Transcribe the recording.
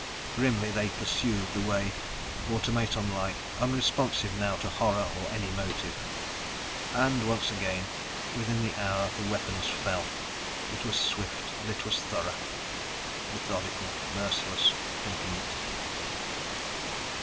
Grimly they pursued the way, automaton like, unresponsive now to horror or any emotive. And once again, within the hour the weapons fell. It was swift and it was thorough. Methodical. Merciless. Complete.